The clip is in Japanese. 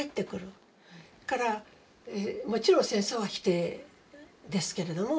だからもちろん戦争は否定ですけれども。